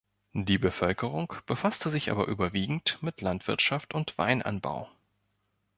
Die Bevölkerung befasste sich aber überwiegend mit Landwirtschaft und Weinanbau.